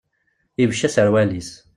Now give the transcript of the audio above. Ibecc aserwal-is.